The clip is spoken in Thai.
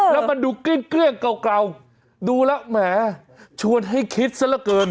และมันดูกลี้เกลืองเก่าดูแล้วแหมชวนให้คิดซะเริ่ม